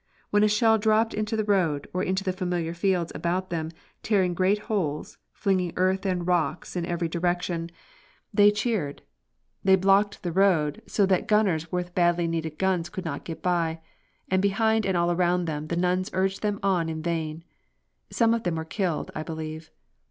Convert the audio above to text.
When a shell dropped into the road, or into the familiar fields about them, tearing great holes, flinging earth and rocks in every direction, they cheered. They blocked the roads, so that gunners with badly needed guns could not get by. And behind and all round them the nuns urged them on in vain. Some of them were killed, I believe.